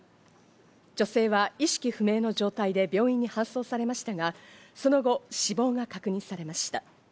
女性は意識不明の状態で病院に搬送されましたが、その後、死亡が確認されました。